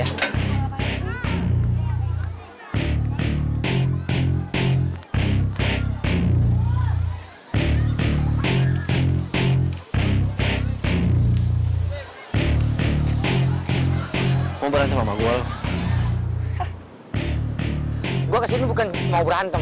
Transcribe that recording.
aku gedeg banget sama tua anok